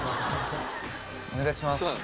お願いします。